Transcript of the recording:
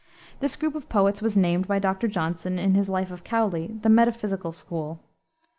This group of poets was named, by Dr. Johnson, in his life of Cowley, the metaphysical school.